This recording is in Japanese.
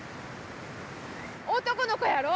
男の子やろ。